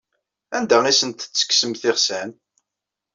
Anda ay asent-tekksemt iɣsan?